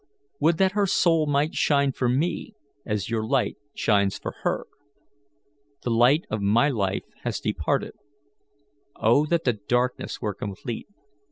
Would that her soul might shine for me, as your light shines for her! The light of my life has departed. O that the darkness were complete!